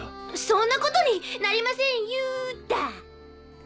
そんなことになりませんよだ！